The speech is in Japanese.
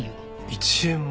１円も？